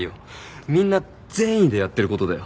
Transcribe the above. みんな善意でやってることだよ。